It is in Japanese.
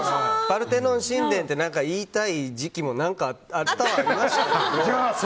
パルテノン神殿って言いたい時期もあったはあったんですけど。